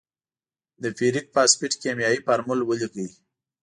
د فیریک فاسفیټ کیمیاوي فورمول ولیکئ.